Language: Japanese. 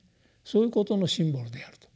そういうことのシンボルであると。